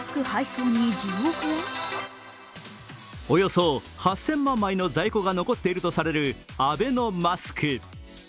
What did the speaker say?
およそ８０００万枚の在庫が残っているとされるアベノマスク。